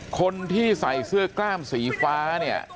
คนที่ใส่เสื้อกล้ามสีฟ้าเนี่ย